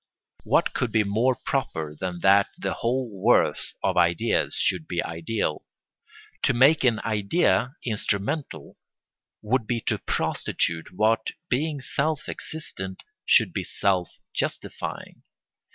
What could be more proper than that the whole worth of ideas should be ideal? To make an idea instrumental would be to prostitute what, being self existent, should be self justifying.